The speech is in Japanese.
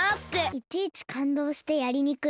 いちいちかんどうしてやりにくい。